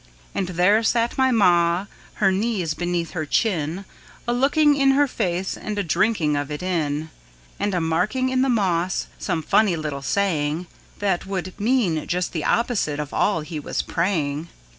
And there sit my Ma, her knees beneath her chin, A looking in his face and a drinking of it in, And a marking in the moss some funny little saying That would mean just the opposite of all he was praying!